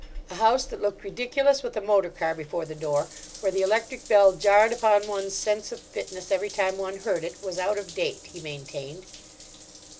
A house that looked ridiculous with a motor car before the door, where the electric bell jarred upon one's sense of fitness every time one heard it, was out of date, he maintained.